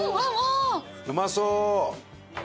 うまそう！